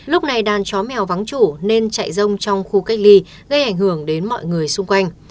lúc này đàn chó mèo vắng chủ nên chạy rông trong khu cách ly gây ảnh hưởng đến mọi người xung quanh